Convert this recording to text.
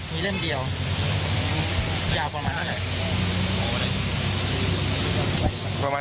มีเล่มเดียวยาวประมาณเท่าไหร่